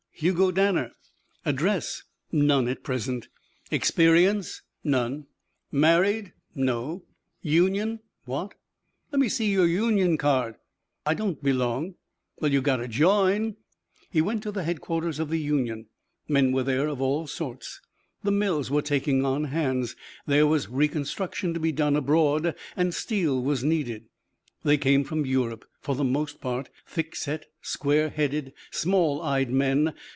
"Hugo Danner." "Address?" "None at present." "Experience?" "None." "Married?" "No." "Union?" "What?" "Lemme see your union card." "I don't belong." "Well, you gotta join." He went to the headquarters of the union. Men were there of all sorts. The mills were taking on hands. There was reconstruction to be done abroad and steel was needed. They came from Europe, for the most part. Thickset, square headed, small eyed men.